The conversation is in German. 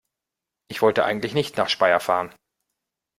Ich wollte eigentlich nicht nach Speyer fahren